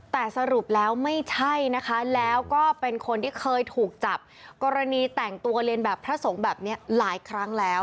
แต่สรุปแล้วไม่ใช่นะคะแล้วก็เป็นคนที่เคยถูกจับกรณีแต่งตัวเรียนแบบพระสงฆ์แบบนี้หลายครั้งแล้ว